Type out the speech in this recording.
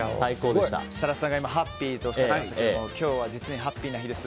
設楽さんが今、ハッピーとおっしゃいましたが今日は実にハッピーな日なんです。